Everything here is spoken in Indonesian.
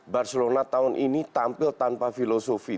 barcelona tahun ini tampil tanpa filosofi